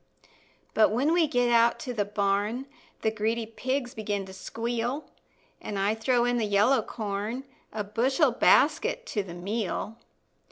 But when we get out to the barn The greedy pigs begin to squeal, An' I throw in the yellow corn, A bushel basket to the meal.